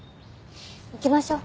行きましょう。